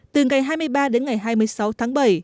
từ ngày hai mươi ba đến ngày hai mươi sáu tháng bảy